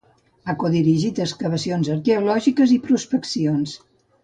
Ha codirigit excavacions arqueològiques i prospeccions.